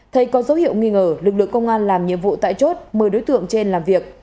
thấy có dấu hiệu nghi ngờ lực lượng công an làm nhiệm vụ tại chốt mời đối tượng trên làm việc